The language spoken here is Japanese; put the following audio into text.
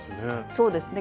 そうですね。